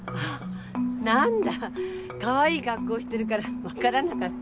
何だかわいい格好してるから分からなかった。